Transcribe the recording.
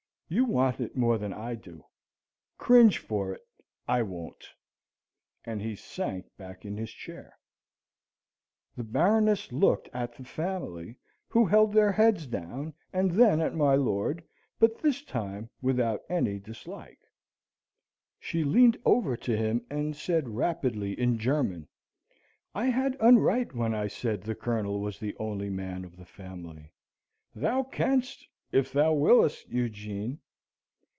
You want it more than I do. Cringe for it I won't." And he sank back in his chair. The Baroness looked at the family, who held their heads down, and then at my lord, but this time without any dislike. She leaned over to him and said rapidly in German, "I had unright when I said the Colonel was the only man of the family. Thou canst, if thou willest, Eugene."